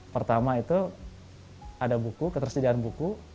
pertama itu ada buku ketersediaan buku